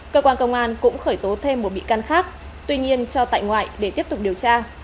cơ quan công an cũng khởi tố thêm một bị can khác tuy nhiên cho tại ngoại để tiếp tục điều tra